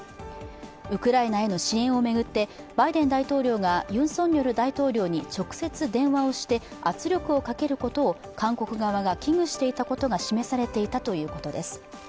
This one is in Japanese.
ウクライナへの支援を巡ってバイデン大統領がユン・ソンニョル大統領に直接電話をして圧力をかけることを韓国側が危惧していたことが記されていたということです。